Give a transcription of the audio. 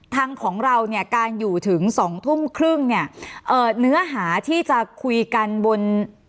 ทางของเราเนี่ยการอยู่ถึงสองทุ่มครึ่งเนี่ยเอ่อเนื้อหาที่จะคุยกันบน